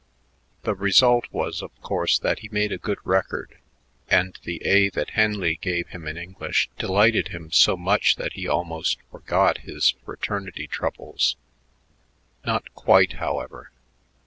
The result was, of course, that he made a good record, and the A that Henley gave him in English delighted him so much that he almost forgot his fraternity troubles. Not quite, however.